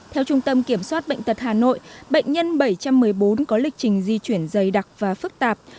theo trung tâm kiểm soát bệnh tật hà nội bệnh nhân bảy trăm một mươi bốn có lịch trình di chuyển dày đặc và phức tạp